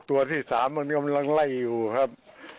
ตัวที่๓มันกำลังไล่อยู่ครับ